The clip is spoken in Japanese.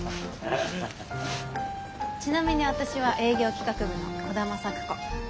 ちなみに私は営業企画部の兒玉咲子。